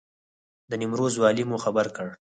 د نیمروز والي مو خبر کړ.